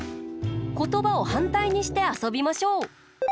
ことばをはんたいにしてあそびましょう！